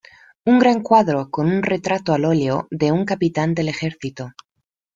Un gran cuadro con un retrato al óleo de un capitán del ejército.